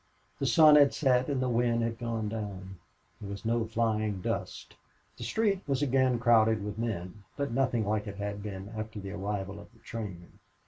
The sun had set and the wind had gone down. There was no flying dust. The street was again crowded with men, but nothing like it had been after the arrival of the train.